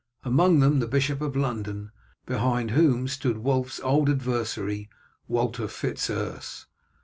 Among them the Bishop of London, behind whom stood Wulf's old adversary, Walter Fitz Urse.